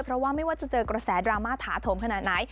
เพราะว่าไม่ว่าจะเจอกระแสดราม่าถาโถมขนาดไหน